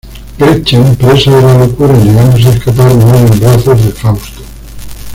Gretchen, presa de la locura y negándose a escapar, muere en brazos de Fausto.